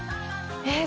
えっ？